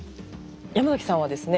ヤマザキさんはですね